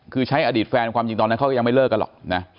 คือใช้อดีตแฟนความจริงตอนนั้นเขาก็ยังไม่เลิกกันหรอกนะ